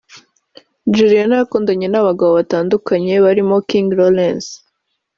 Juliana yakundanye n’abagabo batandukanye barimo King Lawrence